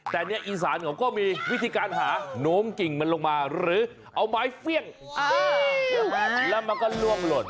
แต่เนี่ยอีสานเขาก็มีวิธีการหาโน้งกิ่งมันลงมาหรือเอาไม้เฟี่ยงแล้วมันก็ล่วงหล่น